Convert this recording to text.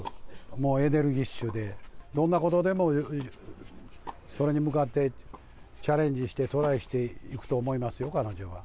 もうエネルギッシュで、どんなことでも、それに向かってチャレンジして、トライしていくと思いますよ、彼女は。